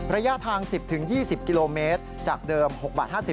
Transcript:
ระยะทาง๑๐๒๐กิโลเมตรจากเดิม๖บาท๕๐